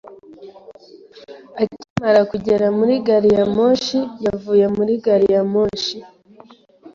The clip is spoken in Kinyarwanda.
Akimara kugera muri gari ya moshi, yavuye muri gari ya moshi.